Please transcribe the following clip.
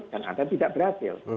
dan ada tidak berhasil